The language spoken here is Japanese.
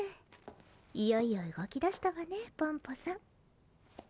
いよいようごきだしたわねポンポさん。